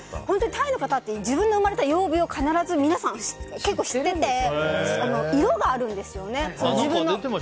タイの方って自分の生まれた曜日を必ず皆さん知ってて色があるんですよね、自分の。